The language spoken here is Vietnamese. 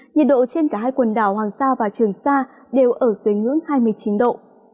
nhiệt độ trên cả hai quần đảo hoàng sa và trường sa đều ở dưới ngưỡng hai mươi chín độ